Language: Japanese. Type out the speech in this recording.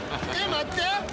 待って。